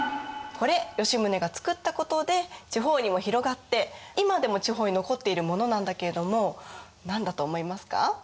これ吉宗が作ったことで地方にも広がって今でも地方に残っているものなんだけれども何だと思いますか？